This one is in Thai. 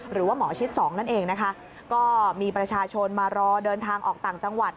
หรือว่าหมอชิดสองนั่นเองนะคะก็มีประชาชนมารอเดินทางออกต่างจังหวัด